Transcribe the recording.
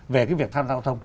về cái việc tham gia giao thông